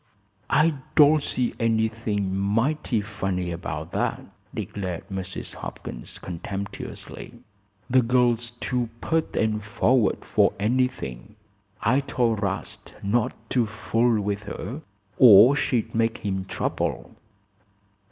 "I don't see anything mighty funny about that," declared Mrs. Hopkins, contemptuously. "The girl's too pert and forward for anything. I told 'Rast not to fool with her, or she'd make him trouble."